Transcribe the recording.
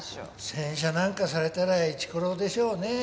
洗車なんかされたらイチコロでしょうねえ。